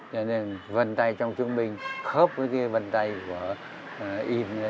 cho nên vần tay trong chương minh khớp với cái vần tay của nó in lên